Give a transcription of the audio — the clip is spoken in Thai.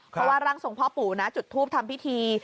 เพราะว่าร่างทรงพ่อปู่นะจุดทูปทำพิธี